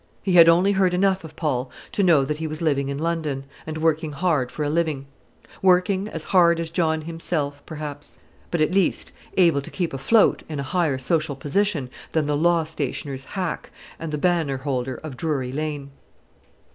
He had only heard enough of Paul to know that he was living in London, and working hard for a living; working as hard as John himself, perhaps; but at least able to keep afloat in a higher social position than the law stationer's hack and the banner holder of Drury Lane.